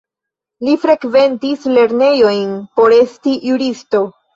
Li frekventis lernejojn por esti juristo.